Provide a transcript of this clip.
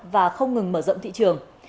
và không ngừng mở rộng thị trường